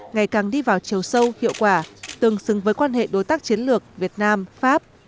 ngày càng đi vào chiều sâu hiệu quả tương xứng với quan hệ đối tác chiến lược việt nam pháp